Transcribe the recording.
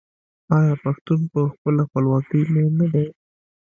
آیا پښتون په خپله خپلواکۍ مین نه دی؟